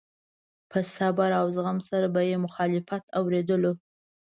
په صبر او زغم سره به يې مخالف اورېدلو.